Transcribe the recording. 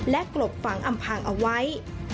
และกลบฝังอำพางเอาไว้